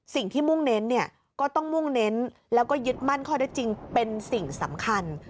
มุ่งเน้นเนี่ยก็ต้องมุ่งเน้นแล้วก็ยึดมั่นข้อได้จริงเป็นสิ่งสำคัญ